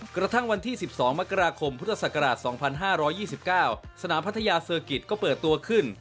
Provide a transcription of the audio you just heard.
กระทั่งวันที่๑๒มกราคมพุทธศักราช๒๕๒๙สนามพัทยาเซอร์กิจก็เปิดตัวขึ้น